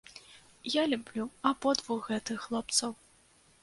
Я люблю абодвух гэтых хлопцаў!